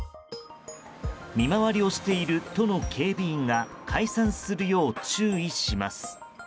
見回りをしている都の警備員が解散するよう注意します。